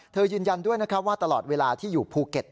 ยืนยันด้วยนะครับว่าตลอดเวลาที่อยู่ภูเก็ต